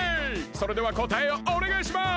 それではこたえをおねがいします！